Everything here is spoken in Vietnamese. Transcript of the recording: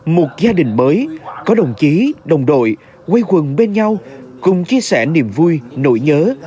một gia đình mới có đồng chí đồng đội quây quần bên nhau cùng chia sẻ niềm vui nỗi nhớ